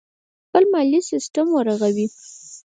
خپل مالي سیستم ورغوي.